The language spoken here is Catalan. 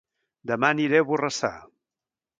Dema aniré a Borrassà